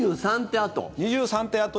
２３手あと？